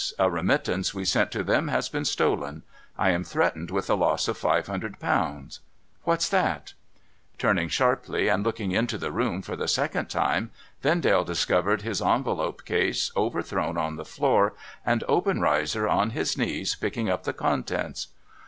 A remittance we sent to them has been stolen. I am threatened with a loss of five hundred pounds. What's that ?' Turning sharply, and looking into the room for the second time, Vendale discovered his envelope case overthrown on the floor, and Obenreizer on his knees picking up the contents.